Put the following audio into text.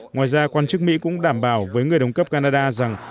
ngoài ra quan chức mỹ cũng đảm bảo với người đồng cấp canada rằng